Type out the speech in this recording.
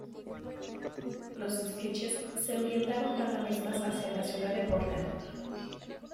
Los sketches se orientaron cada vez más hacia la ciudad de Portland.